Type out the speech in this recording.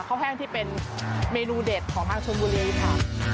ข้าวแห้งที่เป็นเมนูเด็ดของห้างชมบูเรย์ค่ะ